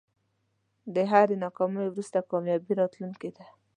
له هری ناکامۍ وروسته کامیابي راتلونکی ده.